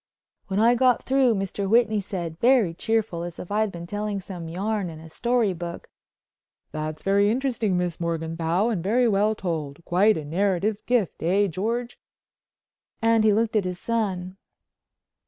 When I got through Mr. Whitney said, very cheerful, as if I'd been telling some yarn in a story book: "That's very interesting, Miss Morganthau, and very well told. Quite a narrative gift, eh George?" and he looked at his son.